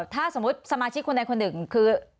ถ้าสมมุติสมาชิกคนใดคนหนึ่งคือ